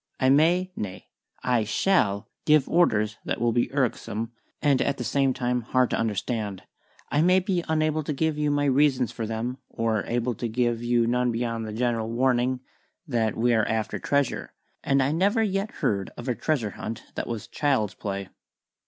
I may nay, I shall give orders that will be irksome and at the same time hard to understand. I may be unable to give you my reasons for them; or able to give you none beyond the general warning that we are after treasure, and I never yet heard of a treasure hunt that was child's play."